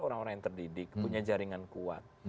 orang orang yang terdidik punya jaringan kuat